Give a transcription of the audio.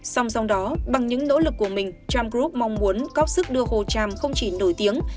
song song đó bằng những nỗ lực của mình cham group mong muốn góp sức đưa hồ tràm không chỉ nổi tiếng